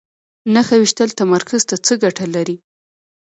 نښه ویشتل تمرکز ته څه ګټه لري؟